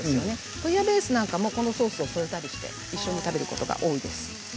ブイヤベースなんかもこのソースを添えたりして一緒に食べることが多いです。